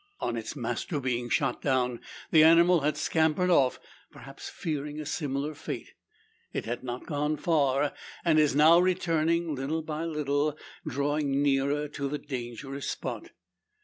On its master being shot down, the animal had scampered off perhaps fearing a similar fate. It had not gone far, and is now returning by little and little, drawing nearer to the dangerous spot.